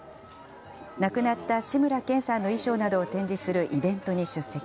亡くなった志村けんさんの衣装などを展示するイベントに出席。